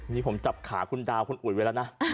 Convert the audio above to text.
นี่ผมจับขาคุณดาวคุณอุ๋ยไว้แล้วนะ